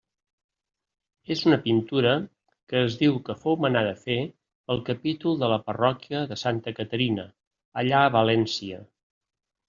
És una pintura que es diu que fou manada fer pel capítol de la parròquia de Santa Caterina, allà a València.